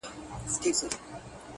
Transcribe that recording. دعا ـ دعا ـ دعا ـدعا كومه ـ